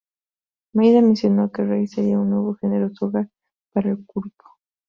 Maida mencionó que Rise sería "un nuevo generoso hogar" para el grupo.